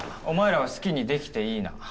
「お前らは好きにできていいな」。